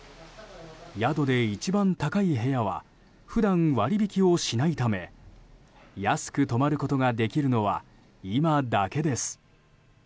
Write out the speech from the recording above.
宿で一番高い部屋は普段割引きをしないため安く泊まることができるのは今だけです。